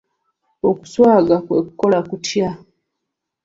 Okuswaga kwe kukola kutya?